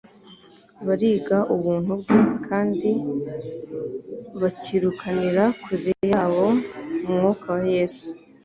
bariga ubuntu bwe, kandi bakirukanira kure yabo Umwuka wa Yesu.